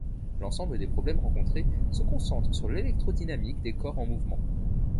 L'ensemble des problèmes rencontrés se concentre sur l'électrodynamique des corps en mouvements.